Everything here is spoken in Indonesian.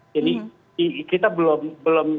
jadi kita belum